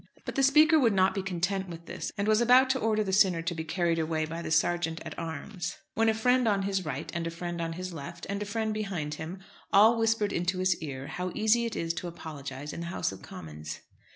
But the Speaker would not be content with this, and was about to order the sinner to be carried away by the Sergeant at Arms, when a friend on his right and a friend on his left, and a friend behind him, all whispered into his ear how easy it is to apologise in the House of Commons.